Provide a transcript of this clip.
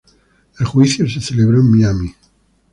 El juicio se celebró en Miami.